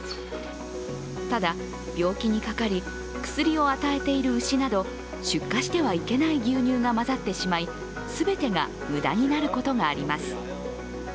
ただ、病気にかかり、薬を与えている牛など出荷してはいけない牛乳が混ざってしまいすべてが無駄になることがあります。